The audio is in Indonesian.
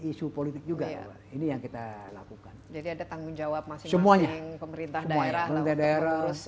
isu politik juga ya ini yang kita lakukan jadi ada tanggung jawab masing masing pemerintah daerah lembaga pengurus